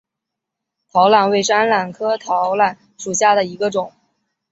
桃榄为山榄科桃榄属下的一个种。